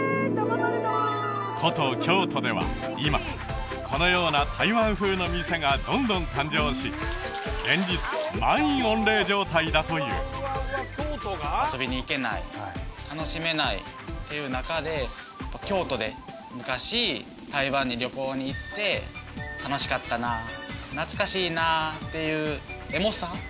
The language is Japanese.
古都京都では今このような台湾風の店がどんどん誕生し連日満員御礼状態だという遊びに行けない楽しめないっていう中で京都で昔台湾に旅行に行って楽しかったな懐かしいなというエモさ